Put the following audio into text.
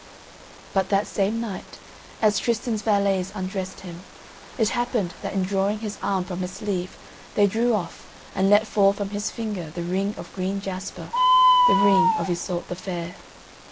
But that same night, as Tristan's valets undressed him, it happened that in drawing his arm from the sleeve they drew off and let fall from his finger the ring of green jasper, the ring of Iseult the Fair.